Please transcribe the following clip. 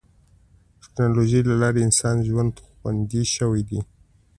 د ټکنالوجۍ له لارې د انسان ژوند خوندي شوی دی.